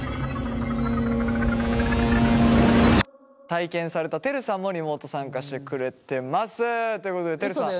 体験されたてるさんもリモート参加してくれてます。ということでてるさん。